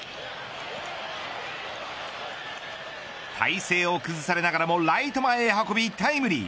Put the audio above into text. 体勢を崩されながらもライト前へ運びタイムリー。